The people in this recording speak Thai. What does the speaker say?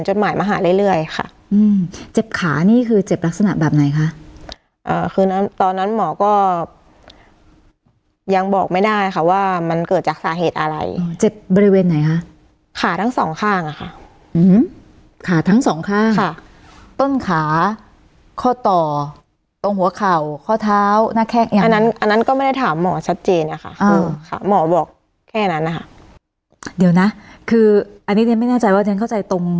จดหมายมาหาเรื่อยเรื่อยค่ะอืมเจ็บขานี่คือเจ็บลักษณะแบบไหนค่ะอ่าคือนั้นตอนนั้นหมอก็ยังบอกไม่ได้ค่ะว่ามันเกิดจากสาเหตุอะไรอ่าเจ็บบริเวณไหนค่ะขาทั้งสองข้างอะค่ะอืมขาทั้งสองข้างค่ะต้นขาข้อต่อตรงหัวเข่าข้อเท้าน่าแค่อีกอันนั้นอันนั้นก็ไม่ได้ถามหมอชัดเจนอะค่ะอืมค่ะหมอบอกแค่นั้